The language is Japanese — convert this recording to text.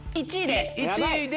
１位で。